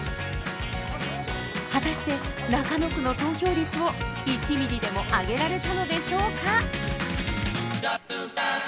果たして中野区の投票率を１ミリでも上げられたのでしょうか？